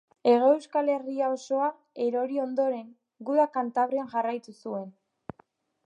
Hego Euskal Herria osoa erori ondoren, guda Kantabrian jarraitu zuen.